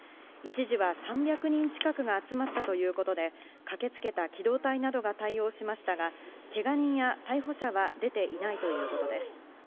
一時は３００人近くが集まったということで、駆けつけた機動隊などが対応しましたが、けが人や逮捕者は出ていないということです。